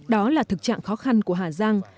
đó là thực trạng khó khăn của hà giang